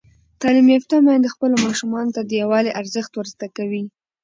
تعلیم یافته میندې خپلو ماشومانو ته د یووالي ارزښت ور زده کوي.